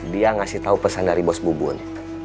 dia ngasih tahu pesan dari bos bubun